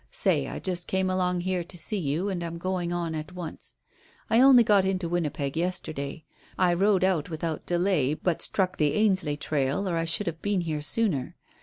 Say, I just came along here to see you, and I'm going on at once. I only got into Winnipeg yesterday. I rode out without delay, but struck the Ainsley trail, or I should have been here sooner.